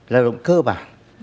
lao động cơ bản